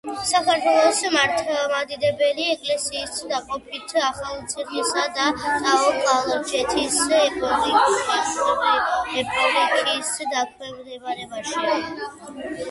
საქართველოს მართლმადიდებელი ეკლესიის დაყოფით ახალციხისა და ტაო-კლარჯეთის ეპარქიის დაქვემდებარებაშია.